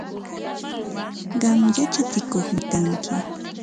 Qam yachatsikuqmi kanki.